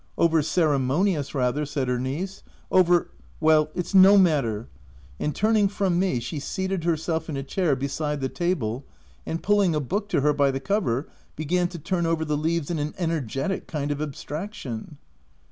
"Over ceremonious rather,'' said her niece —" over — well, it's no matter/' And turning from me, she seated herself in a chair beside the table, and pulling a book to her by the cover, began to turn over the leaves in an ener getic kind of abstraction.